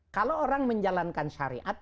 kalau orang menjalankan syari'at